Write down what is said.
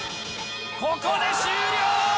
ここで終了。